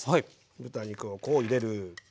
豚肉をこう入れる。